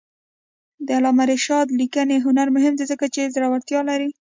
د علامه رشاد لیکنی هنر مهم دی ځکه چې زړورتیا لري.